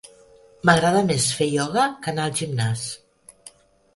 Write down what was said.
M'agrada més fer ioga que anar al gimnàs